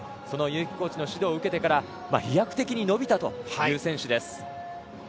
その結城コーチの指導を受けてから飛躍的に伸びたという選手です。